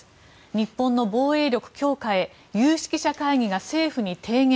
日本の防衛力強化へ有識者会議が政府に提言